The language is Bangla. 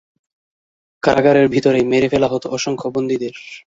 কারাগারের ভিতরেই মেরে ফেলা হত অসংখ্য বন্দীদের।